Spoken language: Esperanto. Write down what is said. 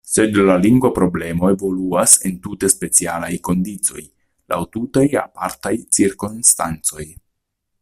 Sed la lingva problemo evoluas en tute specialaj kondiĉoj, laŭ tute apartaj cirkonstancoj.